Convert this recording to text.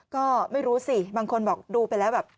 ก็ไม่รู้สิบางคนบอกดูไปแล้วแบบ